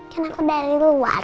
kan aku dari luar